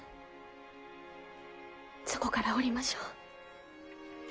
そこから降りましょう。